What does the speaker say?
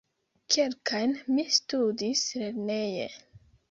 Kelkajn mi studis lerneje.